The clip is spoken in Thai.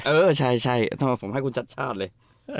เออใช่ทำไมผมให้คุณชัดชาติเลย